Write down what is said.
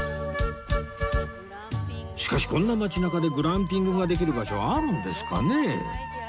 しかしこんな街なかでグランピングができる場所はあるんですかね？